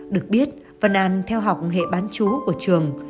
được biết vân anh theo học hệ bán chú của trường